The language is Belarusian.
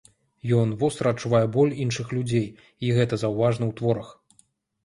Ён востра адчувае боль іншых людзей, і гэта заўважна ў творах.